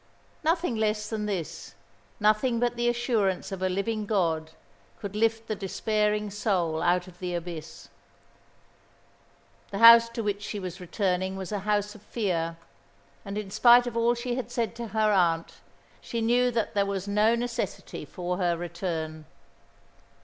Nothing less than this, nothing but the assurance of a Living God, could lift the despairing soul out of the abyss. The house to which she was returning was a house of fear, and in spite of all she had said to her aunt, she knew that there was no necessity for her return.